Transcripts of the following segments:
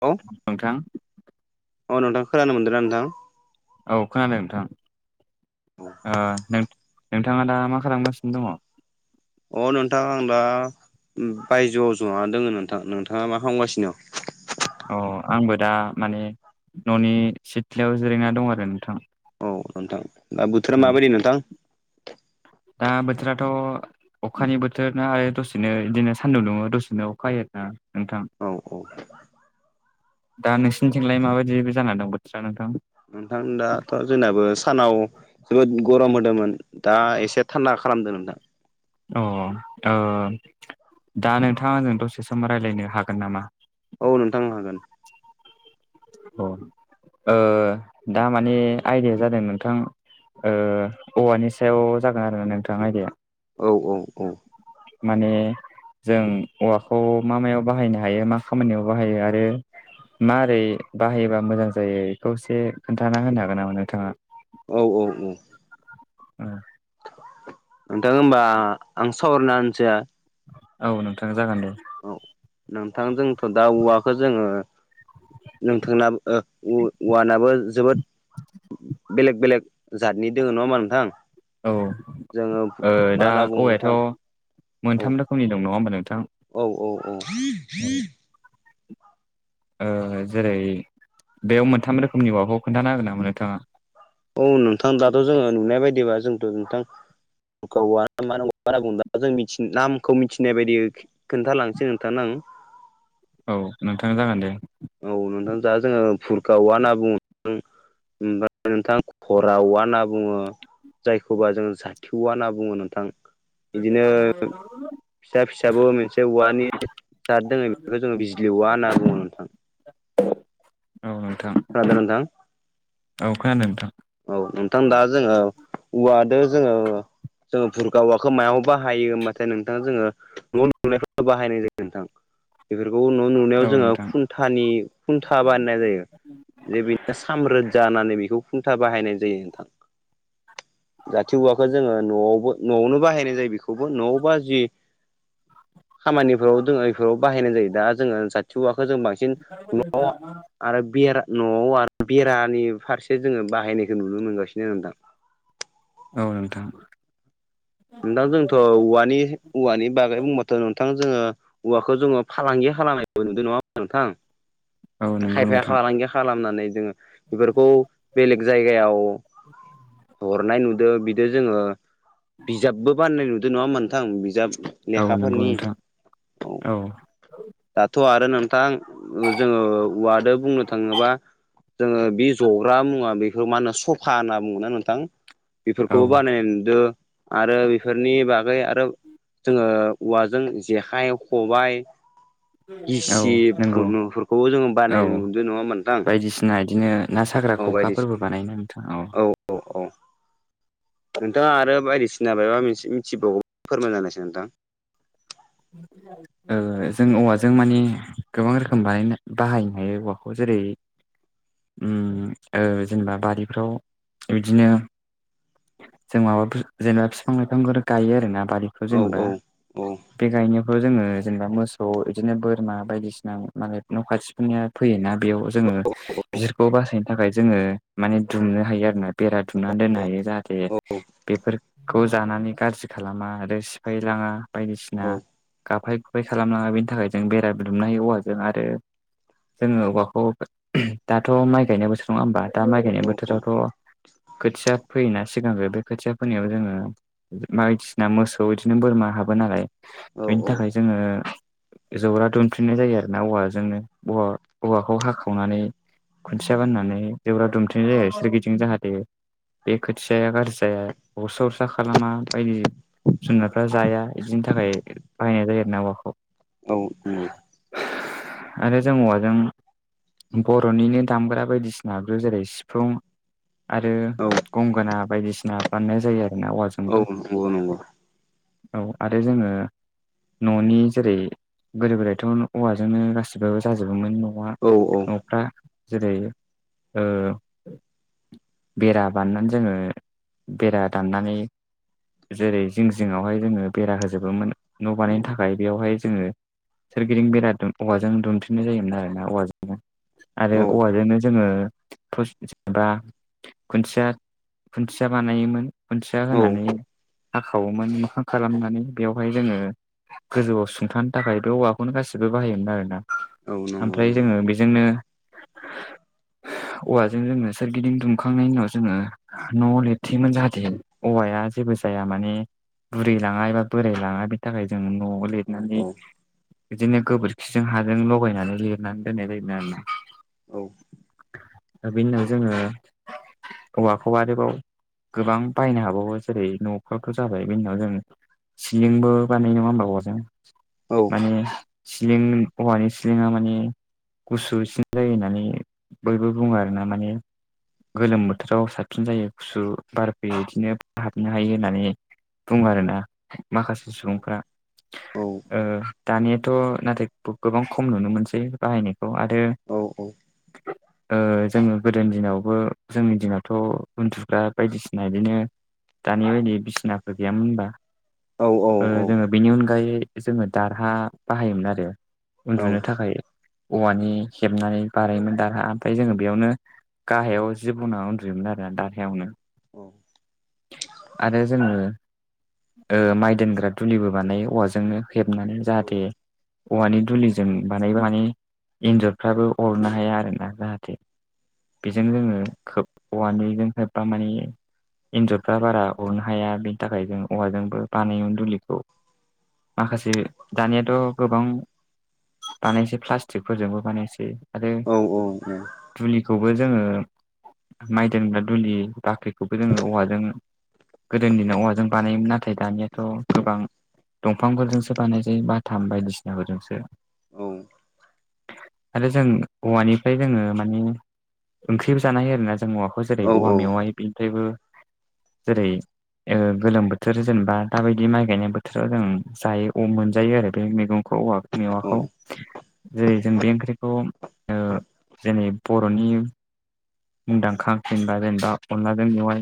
औ नोंथां अ नोंथां खोनानो मोनदोंना नोंथां औ खोनादों नोंथां ओ नों नोंथाङा दा मा खालामगासिनो दङ? अ नोंथां आं दा ओम बायजोआव जना दङो नोंथां । नोंथाङा मा हामगासिनो दोङो? अ आंबो दा माने न'नि सिथ्लायाव जिरायना दं आरो नोंथां। औ नोंथां दा बोथोरा औ माबायदि नोंथां दा बोथोराथ' अखानि बोथोर ना आरो दसेनो, बिदिनो सान्दुं दुङो, दसेनो अखा हायो आरोना नोंथां औ औ दा नोंसोरनिथिंलाय माबायदि जानै दं बोथोरा नोंथां। नोंथां दाथ' जोंनाबो सानाव जोबोद गरम होदोंमोन, दा एसे थान्दा खालामदों नोंथां। अ औ ओ दा नोंथाङा आजों दसे सम रायलायनो हागोन नामा? औ नोंथांनो ओं हागोन। अ ओ दा माने आयदाया जादों नोंथां, ओ औवानि सायाव जागोन आरो नोंथां आयदाया। औ औ औ। माने जों औवाखौ मा मायाव बाहायनो हायो? मा खामानियाव बाहायो आरो मारै बाहायोबा मोजां जायो बेखौ एसे खोन्थाना होनो हागोन नामा नोंथाङा? औ औ औ [unintelligible] नोंथां होनबा आं सावरायना होनोसै औ नोंथां जागोन दे औ नोंथां जोंथ' दा औवाखौ जोङो नोंथांना ओ उ औवानाबो जोबोद बेलेग बेलेग जतनि दोङो नङा होमबा नोंथां। औ जोङो ओ मा दा होनना बुङो औवायाथ' नोंथां औ मोनथाम रोखोमनि दं नङा होमबा नोंथां। औ -औ -औ [unintelligible] ओ जेरै बेयाव मोनथाम रोखोमनि औवाखौ खोनथानो हागोन नामा नोंथाङा? औ नोंथां दाथ' जोङो नुनाय बायदिबा जोंथ' नोंथां। [unintelligible] नामखौ मिथिनाय बायदि खोन्थालांसै नोंथांनो आं। औ नोंथां जागोन दे। औ नोंथां दा जोङो बुरखा औवा होनना बुङो। नोंथां खरा वा होनना बुङो, जायखौबा जों जाथिवा होनना बुङो नोंथां। बिदिनो [unintelligible] फिसा फिसाबो मोनसे औवानि जाद दोङो बेखौ जोङो बिजिलि औवा होनना बुङो नोंथां‌। औ नोंथां। खोनादों नोंथां? औ खोनादों नोंथां। औ नोंथां दा जोङो औवाजों जोङो। जोङो बुरखा औवाखौ मायाव बाहायो होमबाथाय नोंथाङा जोङो। न' लुनायफोराव बाहायनाय जायो नोंथां। बेफोरखौ न' लुनायाव औ जोङो नोंथां खुन्थानि खुन्था बानायनाय जायो। जे बेनो साम्रोद जानानै बेखौ खुन्था बाहायनाय जायो नोंथां। जाथि औवाखौ जोङो न'आवबो न'आवनो बाहायनाय जायो बेखौबो न'आवबा जि खामानिफोराव जोङो बेफोराव बाहायनाय जायो। दा जोङो साथि औवाखौ जों बांसिन [unintelligible] न' आरो बेरा न'आव आरो बेरानि फारसे जोङो बाहायनायखौ नुनो मोनगासिनो नोंथां। औ नोंथां नोंथां जोंथ' औवानि औवानि बागै बुंबाथ' नोंथां जोङो औवाखौ जोङो फालांगि खालामनाय नुदों नङा होनबा नोंथां औ नंगौ खायफाया नोंथां खालारानो गैया। खालामनानै जोङो बेफोरखौ बेलेग जायगायाव हरनाय नुदों बिदिनो जोङो। बिजाबबो बाननाय नुदों नङा नोंथां बिजाब औ नंगौ लेखाफोरनि नोंथां औ। दाथ' आरो नोंथां जोङो औवाजों बुंनो थाङोबा। जोङो बे जग्रा मुवा बेखौ मा होनो सफा होनना बुङोना नोंथां । औ बेफोरखौबो बानायनाय नुदों आरो बेफोरनि बागै आरो जोङो औवाजों जेखाइ खबाय औ गिसिब नंगौ फनुफोरखौबो जोङो औ बानायनो नुदों नङा होनबा नोंथां। बायदिसिना इदिनो ना साग्रा औ बायदिसिना खखाफोरबो बानायो नोंथाङा औ। नोंथाङा आरो बायदि सिना माबा मोनसे मिथि बावगौ, फोरमान जानायसै नोंथां? [inaudible] जों औवाजों माने गोबां रोखोम बानायनो बाहायनो हायो औवाखौ जेरै ओम ओ जेनेबा बारिफ्राव बिदिनो जों माबाफोर जेनेबा फिफां लाइफांफोर गायो आरोना बारि औ औ औ। बे गायनायफ्राव जोङो जेनेबा मोसौ बिदिनो बोरमा बायदिसिना माने न' खाथिफोरनिया फैयोना? बेयाव जोङो। बिसोरखौ बासायनो थाखाय जोङो माने दुमनो हायो आरोना बेरा दुमनानै दोननो हायो जाहाथे बेफोरखौ जानानै गाज्रि खालामा आरो सिफायलाङा औ बायदिसिना गाफाय गुाय खालामलाङा बेनि थाखाय जों बेरा बिदुमनो हायो औवाजों आरो जोङो औवाखौ दाथ' माइ गायनाय बोथोर नङा होमबा? दा माइ औ गायनाय औ बोथोरावथ' खोथिया फैयोना सिगांग्रो बे खोथिया फोनायाव जोङो बायदिसिना मोसौ बिदिनो बोरमा हाबो नालाय। बेनि थाखाय जोङो जौरा दुनफिननाय जायो आरो ना औवाजोंनो औवाखौ हाखावनानै खुन्थिया बानायनानै जेराव दुमथेनाय जायो सोरगिदिं जाहाथे बे खोथियाया गाज्रि जाया अरसा अरसा खालामा बायदि जुनारफ्रा जाया बिदिनि थाखाय बाहायनाय जायो आरो ना औवाखौ आरो जों औवाजों बर'निनो दामग्रा बायदिसिनाबो जेरै सिफुं आरो गंगोना बायदिसिना बाननाय जायो आरोना औवाजों। औ नंगौ नंगौ। औ आरो जोङो न'नि जेरै गोदो गोदायथ' औवाजोंनो गासिबो जाजोबोमोन न'आ औ औ। न'फ्रा जेरै ओ बेरा बानायनानै जोङो बेरा दाननानै जेरै जिं जिंआवहाय जोङो बेरा होजोबोमोन न' बानायनो थाखाय बेयावहाय जोङो सोरगिदिं बेरा औवाजों दुमथेनाय जायोमोन आरो ना औवाजोंनो आरो औ औवाजोंनो जोङो जेनेबा खुन्थिया -खुन्थिया बानायोमोन खुन्थिया औ होनानै हाखावोमोन मोखां खालामनानै बेवहाय जोङो गोजौआव सुंथानो थाखाय बे औवाखौनो गासिबो बाहायोमोन आरो ना। नंगौ ओमफ्राय नंगौ जोङो बेजोंनो [inaudible] औवाजों जोङो सोरगिदिं दुमखांनायनि उनाव जोङो न'आव लिरथैयोमोन जाहाथे औवाया जेबो जाया माने बुरै लाङा एबा बोराय लाङा बेनि थाखाय जों न'आव औ लिरनानै बिदिनो गोबोरखिजों हाजों लगायनानै लिरनानै दोननाय जायोमोन आरोना। औ। दा बेनि उनाव जोङो औवाखौ आरोबाव गोबां बाहायनो हाबावो जेरै न'थ' जाबाय। बिनि उनाव जों सिलिंबो बानायो नङा होमबावो जों औ माने सिलिं औवानि सिलिंआ मानि गुसुसिन जायो होननानै बयबो बुङो आरो ना माने गोलोम बोथोराव साबसिन जायो गुसु बार फैयो बिदिनो हाबनो हायो होननानै। बुङो आरोना माखासे सुबुंफ्रा। औ ओ दानियाथ' नाथाय गोबां खम नुनो मोनसै बाहायनायखौ आरो औ औ। ओ जोङो गोदोनि दिनावबो जोंनि दिनावथ' उन्दुग्रा बायदिसिना बिदिनो दानि बायदि बिसिनाफोर गैयामोन होनबा औ जोङो बेनि अनगायै जोङो दारहा बाहायोमोन आरो। उन्दुनो औ थाखाय औवानि हेबनानै बानायोमोन दारहा। ओमफ्राय जोङो बेयावनो गाहायाव जि ब'ना उन्दुयोमोन आरो दाहायावनो औ आरो जोङो ओ माइ दोनग्रा दुलिबो बानायो औवाजोंनो हेबनानै जाहाथे औवानि दुलिजों बानायबा माने एन्जरफ्राबो अरनो हाया आरोना । जाहाथे बेजों जोङो खोब औवानिजों हेबबा माने एन्जरफ्रा बारा अरनो हाया बेनि थाखाय जों औवाजोंबो बानायोमोन दुलिखौ माखासे दानियाथ' गोबां बानायनोसै प्लास्टिकफोरजोंबो बानायसै आरो औ औ औ दुलिखौबो जोङो माइ दोनग्रा दुलि बाख्रिखौबो जोङो औवाजों गोदोनि दिनाव औवा जों बानायोमोन नाथाय दानियाथ' गोबां दंफांफोरजोंसो बानाय जायो बाथाम बायदिसिनाफोरजोंसो। आरो जों औवानिफ्राय जोङो माने ओंख्रिबो जानाय हायो आरोना जों [unintelligible] जेरै औवा मेवाय बेनिफ्रायबो जेरै ओ गोलोम बोथोर जेनेबा दाबायदि माइ गायनाय बोथोराव जों जायो मोनजायो आरो बे मैगंखौ औवा मेवाखौ जेरै जों बे ओंख्रिखौ जेरै बर'नि मुंदांखा फेनबा जेनेबा अनलाजों मेवाय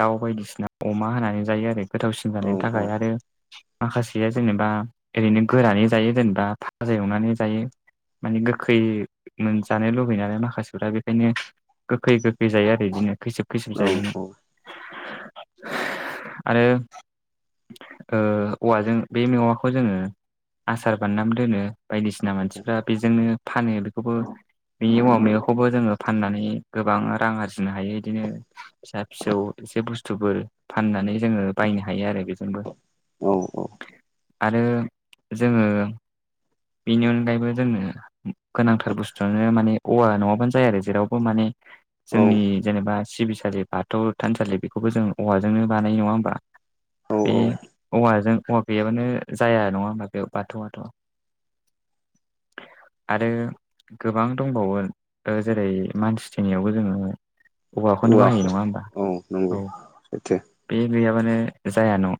दाउ बायदिसिना अमा होनानै जायो आरो गोथावसिन जानायनि थाखाय आरो माखासेया जेनेबा ओरैनो गोरानै जायो जेनेबा भाजा एवनानै जायो। माने गोखै मोनजानो लुबैयो नालाय माखासेफ्रा बेखायनो गोखै गोखै जायो आरो बिदिनो खैसोब खैसोब जायो आरो औवाजों बे मेवाखौ जोङो आसार बानायनाबो दोनो बायदिसिना मानसिफ्रा बेजोंनो फानो बेखौबो बिनि औवा मेवाखौबो जोङो फाननानै गोबां रां आरजिनो हायो इदिनो फिसा फिसौ एसे बुस्थुफोर फाननानै जोङो बायनो हायो आरो बेजोंबो औ औ आरो जोङो बेनि अनगायैबो जोङो गोनांथार बुस्थुआनो माने औवा नङाबानो जाया आरो जेरावबो माने औ जोंनि जेनेबा सिबिसालि बाथौ थानसालि बेखौबो जों औवाजोंनो बानाय नङा होमबा? औ बे औवाजों औवा गैयाबानो जाया नङा होमा बे बाथौवाथ'। आरो गोबां दंबावो जेरै मानसि थैनायावबो जोङो औवाखौनो बाहायो औवाखौ नङा होमबा? औ नंगौ औ। [unintelligible] बे गैयाबानो जाया न'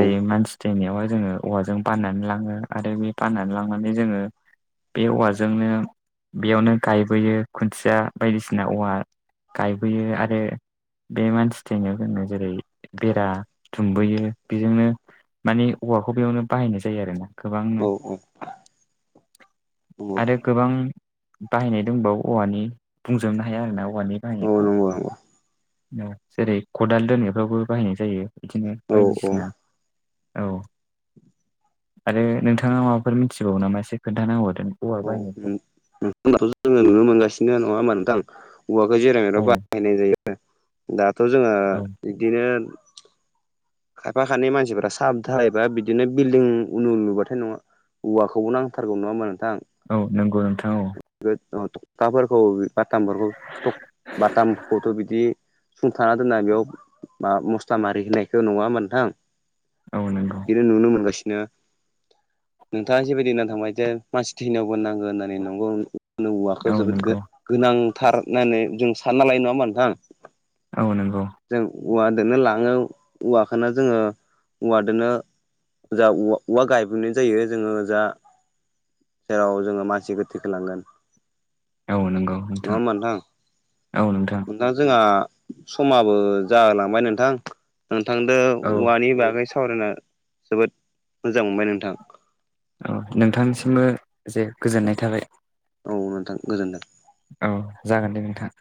औ मानसि थै नायावहाय जोङो औवाजों बाननानै लाङो आरो बे बाननानै लांनानै जोङो बे औवाजोंनो बेयावनो गायबोयो खुन्थिया बायदिसिना औवा गायबोयो आरो बे मानसि थैनाय [unintelligible] जेरै बेरा दुमबोयो बिजोंनो मानि औवाखौ बेयावनो बाहायनाय जायो आरो ना। गोबांनो औ औ नंगौ आरो गोबां बाहायनाय दंबावो औवानि बुंजोबनो हाया आरो ना औवानि औ बाहायनायखौ। नंगौ नंगौ जेरै खदाल दोननायफ्रावबो बाहायनाय जायो बिदिनो औ बायदिसिना औ आरो नोंथाङा माबाफोर मिथिबावो नामा एसे खोन्थाना होबावदो। औ नोंथांनाथ' जोङो नुनो मोनगासिनो नङा होमा नोंथां औवाखौ जेराव मेराव औ बा हायनाय जायो दाथ' जोङो औ बिदिनो खायफा खानै मानसिफोरा साब धालाय बिदिनो बिल्डिं उनु लुबाथाय नवा औवाखौ नांथारगौ नङा होमबा नोंथां? औ नंगौ नोंथां औ। थखथा फोरखौ बाथामफोरखौ बाथामखौथ' बिदि सुंथाना दोनना बेयावा मस्ला मारि होनायखौ नुवा होमबा नोंथां? औ नंगौ बिदिनो नुनो मोनगासिनो नोंथाङा जेबायदि होननानै थांबाय जे मानसि थैनायावबो नांगौ होननानै नंगौ मा होनो औवाखौ औ जोबोद नंगौ गोनांथार होननानै जों सानना लायो नङा होमबा नोंथां? औ नंगौ जों औवादोनो लाङो औवाखोनो जोङो औवादोनो जा उवा उवा गायबोनाय जायो जोङो जा जेराव जोङो मानसि गोथैखो लांगोन औ नंगौ नङा होमबा नोंथां औ नोंथां ओं दा जोंहा समाबो जाहोलांबाय नोंथां नोंथांजों औ औवानि बागै सावरायना जोबोद मोजां मोनबाय नोंथां। औ नोंथांनिसिमबो जे गोजोननाय थाबाय। औ नोंथां गोजोन्थों। औ जागोन दे नोंथां।